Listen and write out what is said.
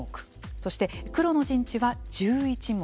そして黒の陣地は１１目。